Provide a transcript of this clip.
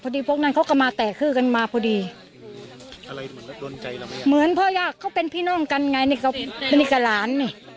เหมือนพ่อยากเขาเป็นพี่น้องกันไงนิกละหลาน